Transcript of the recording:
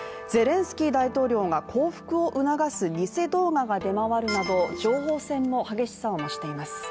ゼレンスキー大統領が降伏を促す偽動画が出回るなど情報戦も激しさを増しています。